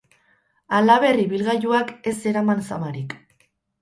Halaber, ibilgailuak ez zeraman zamarik.